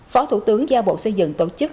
phó thủ tướng giao bộ xây dựng tổ chức